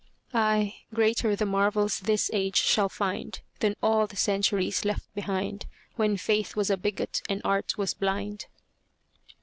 Ay, greater the marvels this age shall find Than all the centuries left behind, When faith was a bigot and art was blind.